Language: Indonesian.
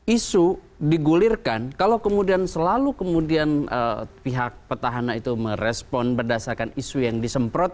isu digulirkan kalau kemudian selalu kemudian pihak petahana itu merespon berdasarkan isu yang disemprot